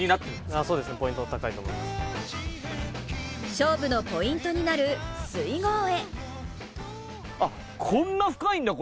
勝負のポイントになる水濠へ。